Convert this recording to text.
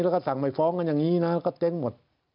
แล้วก็สั่งไม่ฟ้องกันอย่างนี้นะก็เจ๊งหมด